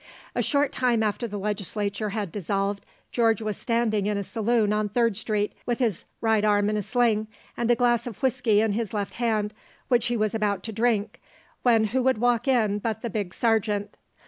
A short time after the legislature had dissolved George was standing in a saloon on Third street, with his right arm in a sling, and a glass of whisky in his left hand, which he was about to drink, when who should walk in but the big sergeant.